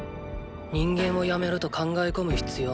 人間をやめると考え込む必要もなくなった。